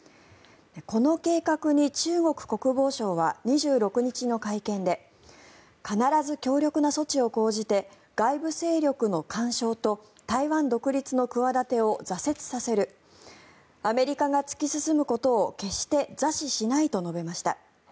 この計画に中国国防省は２６日の会見で必ず強力な措置を講じて外部勢力の干渉と台湾独立の企てを挫折させるアメリカが突き進むことを決して座視しないと述べました。